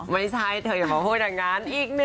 ไม่ใช่เธออย่าพูดอย่างงานอีก